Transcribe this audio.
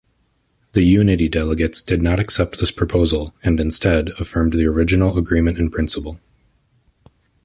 The Unity delegates did not accept this proposal and instead, affirmed the original agreement-in-principle.